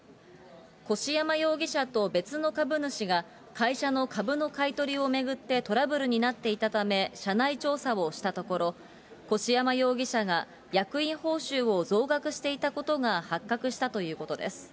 越山容疑者と別の株主が、会社の株の買い取りを巡ってトラブルになっていたため、社内調査をしたところ、越山容疑者が役員報酬を増額していたことが発覚したということです。